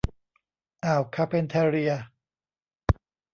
อ่าวคาร์เพนแทเรีย